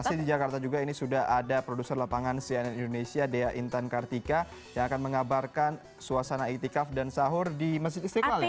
masih di jakarta juga ini sudah ada produser lapangan cnn indonesia dea intan kartika yang akan mengabarkan suasana itikaf dan sahur di masjid istiqlal